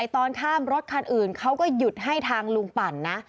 ตอนข้ามรถคันอื่นเขาก็หยุดให้ทางลุงปั่นนะ